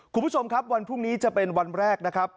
คุณผู้ชมครับวันพรุ่งนี้จะเป็นวันแรกนะครับ